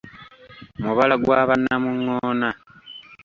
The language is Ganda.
Mubala gwa ba Namungoona.